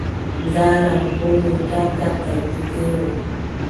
Ndaa lampo mon, daa kartedendite mon.